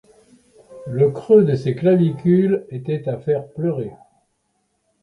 Le creux de ses clavicules était à faire pleurer.